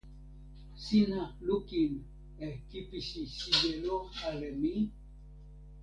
sina lukin e kipisi sijelo ale mi?